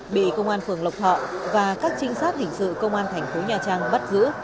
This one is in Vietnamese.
bị công an phường lộc thọ và các trinh sát hình sự công an thành phố nha trang bắt giữ